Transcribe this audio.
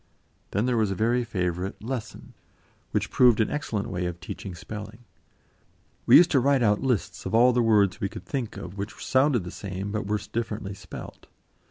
Then there was a very favourite "lesson," which proved an excellent way of teaching spelling. We used to write out lists of all the words we could think of which sounded the same but were differently spelt.